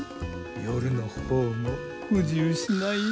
夜の方も不自由しないよ。